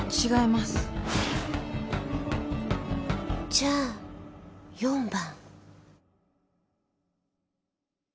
じゃあ４番。